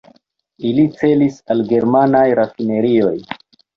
Ili celis al germanaj rafinerioj.